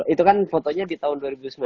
itu kan fotonya di tahun dua ribu sembilan belas